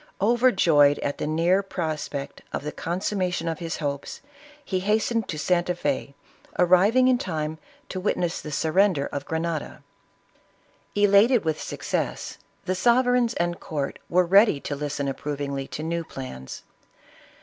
Overjoyed at the near prospect of the consummation of his hopes, he hastened to Santa Fe", arriving in time to witness the surrender of Grenada. Elated with success, the sovereigns and court were ready to listen approvingly to new plans.